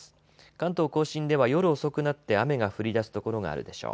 関東甲信では夜遅くなって雨が降りだすところがあるでしょう。